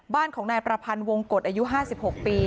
บ้านของนายประพันธ์วงกฎอายุ๕๖ปี